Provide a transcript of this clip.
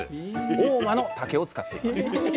合馬の竹を使っています